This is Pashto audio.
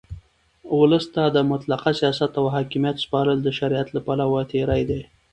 اولس ته د مطلقه سیاست او حاکمیت سپارل د شریعت له پلوه تېرى دئ.